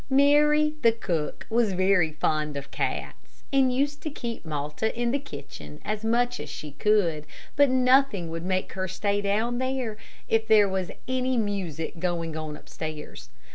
Mary, the cook, was very fond of cats, and used to keep Malta in the kitchen as much as she could, but nothing would make her stay down there if there was any music going on upstairs.